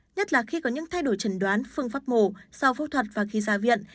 nhất là khi có những thay đổi trần đoán phương pháp mổ sau phẫu thuật và khi ra viện